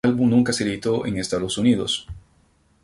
El álbum nunca se editó en Estados Unidos.